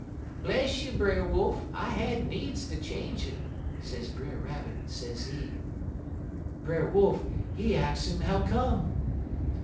"'Bless you, Brer Wolf, I had needs ter change it,' sez Brer Rabbit, sezee. "Brer Wolf, he ax 'im how come.